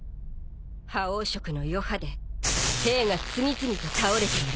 覇王色の余波で兵が次々と倒れている。